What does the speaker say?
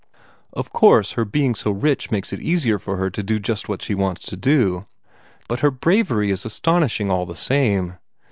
Of course, her being so rich makes it easier for her to do just what she wants to do, but her bravery is astonishing all the same.